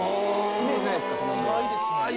イメージないです。